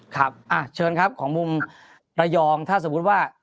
ครับเชิญครับของมุมระยองถ้าสมมุติว่า